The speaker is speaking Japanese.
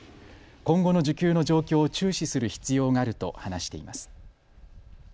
今後の需給の状況を注視する必要があると話しています。